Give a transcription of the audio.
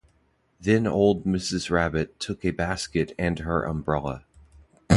Then old Mrs Rabbit took a basket and her umbrella.